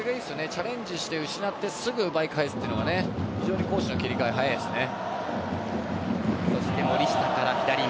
チャレンジして失ってすぐ奪い返すというのが非常に攻守の切り替えが早いですね。